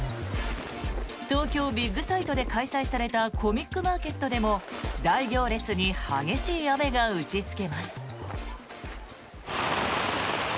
東京ビッグサイトで開催されたコミックマーケットでも大行列に激しい雨が打ちつけます。